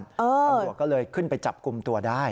ตำรวจก็เลยขึ้นไปจับกลุ่มตัวได้